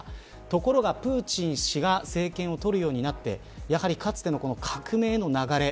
ところが、プーチン氏が政権を取るようになってかつての革命の流れ